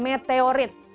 tapi sebuah meteorit